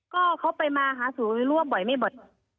ก็เขาไปมาหาสู่ร่วมบ่อยไม่หมด